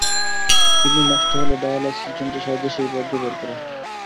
Kidney নষ্ট হলে dialysis যন্ত্রের সাহায্যে সেই বর্জ্য বের করা হয়।